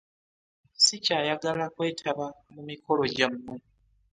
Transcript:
Ssikyayagala kwetaba mu mikolo gyammwe.